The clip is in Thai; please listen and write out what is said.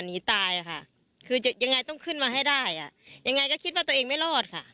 หนีตายค่ะคือยังไงต้องขึ้นมาให้ได้อ่ะยังไงก็คิดว่าตัวเองไม่รอดค่ะ